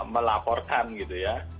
melaporkan gitu ya